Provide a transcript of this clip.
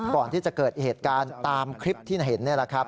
ก่อนที่จะเกิดเหตุการณ์ตามคลิปที่เห็น